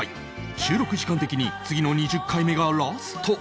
収録時間的に次の２０回目がラスト